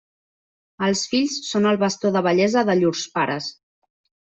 Els fills són el bastó de vellesa de llurs pares.